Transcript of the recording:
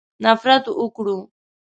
نفرت وکړو.